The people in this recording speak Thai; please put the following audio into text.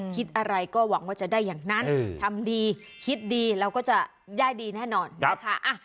คิดอะไรก็หวังว่าจะได้อย่างนั้นทำดีคิดดีเราก็จะได้ดีแน่นอนนะคะ